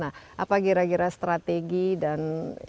nah apa gira gira strategi dan